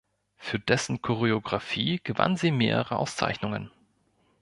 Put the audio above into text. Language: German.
Für dessen Choreografie gewann sie mehrere Auszeichnungen.